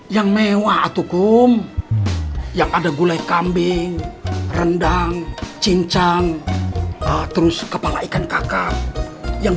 yang mewah atau kum yang ada gulai kambing rendang cincang terus kepala ikan kakap yang